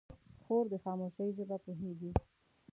خور د خاموشۍ ژبه پوهېږي.